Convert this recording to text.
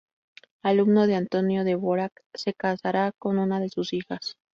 Alumno de Antonín Dvořák, se casará con una de sus hijas.